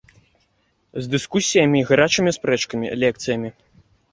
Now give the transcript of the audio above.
З дыскусіямі і гарачымі спрэчкамі, лекцыямі.